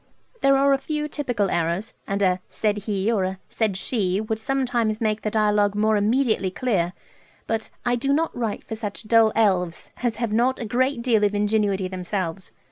There are a few typical errors; and a "said he," or a "said she," would sometimes make the dialogue more immediately clear; but "I do not write for such dull elves" as have not a great deal of ingenuity themselves.